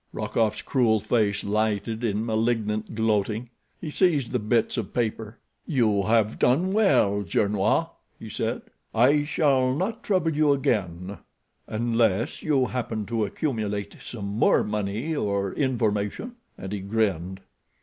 Rokoff's cruel face lighted in malignant gloating. He seized the bits of paper. "You have done well, Gernois," he said. "I shall not trouble you again—unless you happen to accumulate some more money or information," and he grinned.